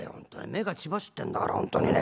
目が血走ってんだから本当にね。